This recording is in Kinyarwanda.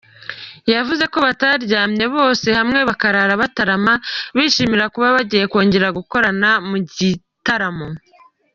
Yavuze ko bataryamye bose hamwe bakarara batarama bishimira kuba bagiye kongera gukorana mu gitaramo.